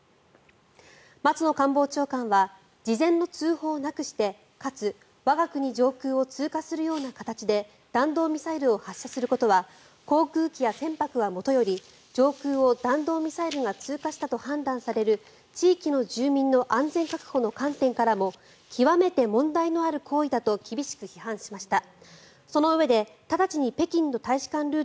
松野官房長官は事前の通報なくしてかつ、我が国上空を通過するような形で弾道ミサイルを発射することは航空機や船舶はもとより上空を弾道ミサイルが通過したと判断される地域の住民の安全確保の観点からも極めて問題のある行為だと厳しく批判しました。